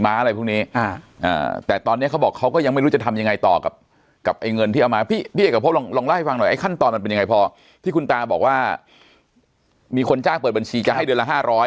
มีคนจ้างเปิดบัญชีจะให้เดือนละ๕๐๐